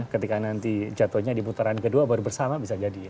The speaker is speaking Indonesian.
ketika nanti jatuhnya di putaran kedua baru bersama bisa jadi ya